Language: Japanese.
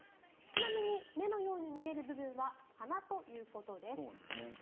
ちなみに目のように見える部分は鼻ということです。